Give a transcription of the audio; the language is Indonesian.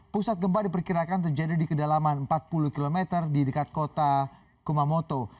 pusat gempa diperkirakan terjadi di kedalaman empat puluh km di dekat kota kumamoto